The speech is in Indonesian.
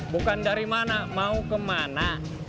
bukan dari mana mau kemana